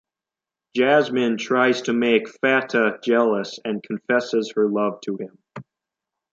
Jasmin tries to make Fateh jealous and confesses her love to him.